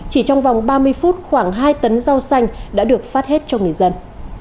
chỉ trong vòng ba mươi phút khoảng hai tấn rau xanh đã được phát hết cho người dân